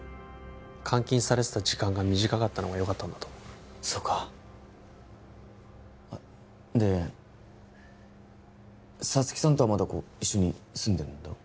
監禁されてた時間が短かったのがよかったんだと思うそうかあっで沙月さんとはまだ一緒に住んでるんだろ？